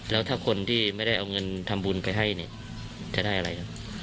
แล้วถ้าคนที่ไม่ได้เอาเงินทำบุญไปให้เนี่ยจะได้อะไรครับ